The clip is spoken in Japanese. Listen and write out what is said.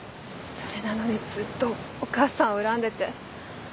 それなのにずっとお母さんを恨んでて。